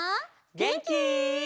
げんき？